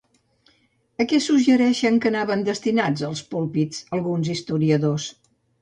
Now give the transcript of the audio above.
A què suggereixen que anaven destinats els púlpits alguns historiadors?